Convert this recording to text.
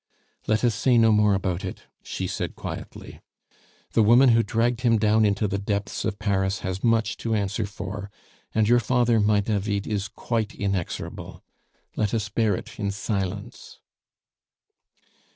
"Let us say no more about it," she said quietly. "The woman who dragged him down into the depths of Paris has much to answer for; and your father, my David, is quite inexorable! Let us bear it in silence."